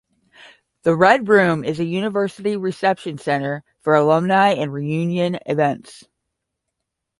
The Red Room is a university reception center for alumni and reunion events.